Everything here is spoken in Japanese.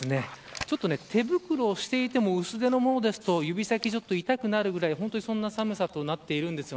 ちょっと手袋をしていても薄手のものですと、指先がちょっと痛くなるくらいそんな寒さとなっています。